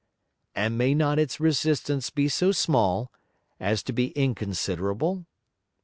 And may not its resistance be so small, as to be inconsiderable?